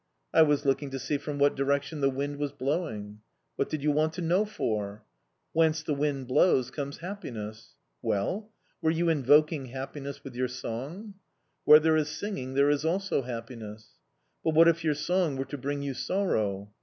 "I was looking to see from what direction the wind was blowing." "What did you want to know for?" "Whence the wind blows comes happiness." "Well? Were you invoking happiness with your song?" "Where there is singing there is also happiness." "But what if your song were to bring you sorrow?"